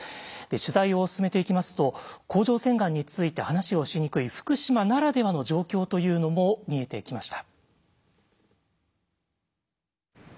取材を進めていきますと甲状腺がんについて話をしにくい福島ならではの状況というのも見えてきました。